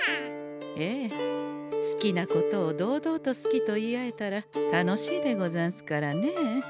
ええ好きなことを堂々と好きと言い合えたら楽しいでござんすからねえ。